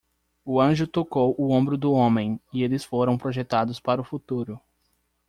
O anjo tocou o ombro do homem e eles foram projetados para o futuro.